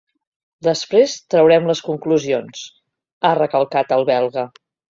“Després traurem les conclusions”, ha recalcat el belga.